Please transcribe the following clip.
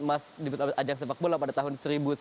emas di ajang sepak bola pada tahun